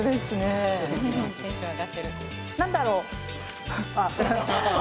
何だろう